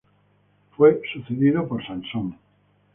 Fue sucedido por Sansón.